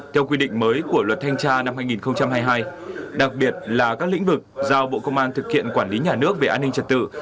theo quy định mới của luật thanh tra năm hai nghìn hai mươi hai đặc biệt là các lĩnh vực giao bộ công an thực hiện quản lý nhà nước về an ninh trật tự